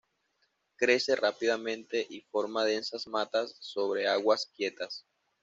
Crece rápidamente y forma densas matas sobre aguas quietas.